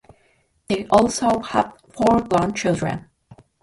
They also have four grandchildren.